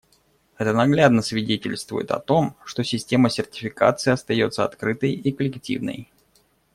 Это наглядно свидетельствует о том, что Система сертификации остается открытой и коллективной.